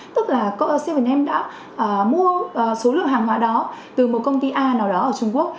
tức là bảy m đã mua số lượng hàng họa đó từ một công ty a nào đó ở trung quốc